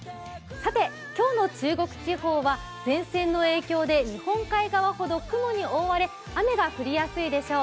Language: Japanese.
さて今日の中国地方は前線の影響で日本海側ほど雲に覆われ、雨が降りやすいでしょう。